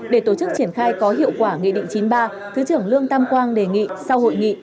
để tổ chức triển khai có hiệu quả nghị định chín mươi ba thứ trưởng lương tam quang đề nghị sau hội nghị